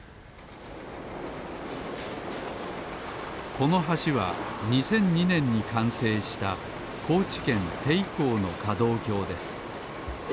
この橋は２００２ねんにかんせいしたこうちけんていこうのかどうきょうです